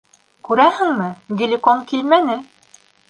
Күрәһеңме, Геликон килмәне!